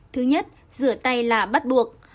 thứ nhất rửa tay là bắt buộc